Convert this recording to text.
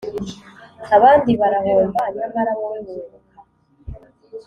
abandi barahomba nyamara wowe wunguka